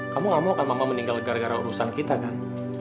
kamu gak mau akan mama meninggal gara gara urusan kita kan